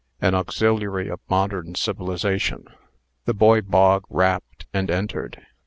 AN AUXILIARY OF MODERN CIVILIZATION. The boy Bog rapped, and entered.